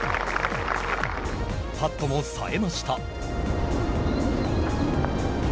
パットもさえました。